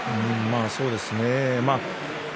そうですね。